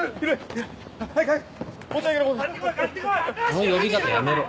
その呼び方やめろ。